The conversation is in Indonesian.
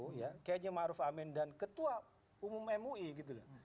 kayaknya ma'ruf amin dan ketua umum mui gitu loh